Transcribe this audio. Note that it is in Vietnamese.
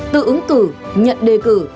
tự ứng từ nhận đề cử